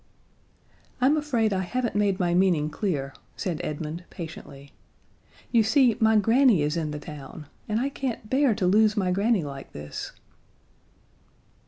"I'm afraid I haven't made my meaning clear," said Edmund patiently. "You see, my granny is in the town, and I can't bear to lose my granny like this."